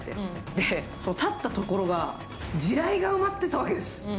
で、立ったところが地雷が埋まっていたわけです。